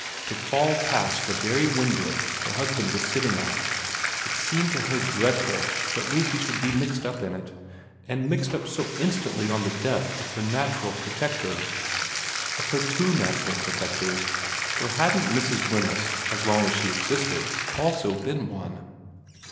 To fall past the very window her husband was sitting at ... it seemed to her dreadful that Lucy should be mixed up in it, and mixed up so instantly on the death of her natural protector, of her two natural protectors, for hadn't Mrs. Wemyss as long as she existed also been one